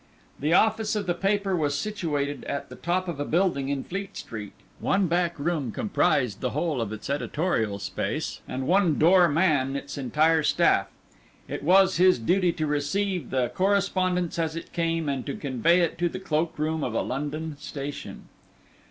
The office of the paper was situated at the top of a building in Fleet Street; one back room comprised the whole of its editorial space, and one dour man its entire staff. It was his duty to receive the correspondence as it came and to convey it to the cloakroom of a London station.